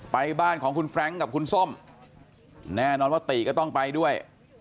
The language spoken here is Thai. บ้านของคุณแฟรงค์กับคุณส้มแน่นอนว่าตีก็ต้องไปด้วย